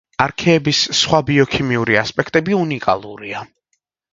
არქეების სხვა ბიოქიმიური ასპექტები უნიკალურია.